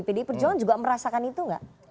pdi perjuangan juga merasakan itu nggak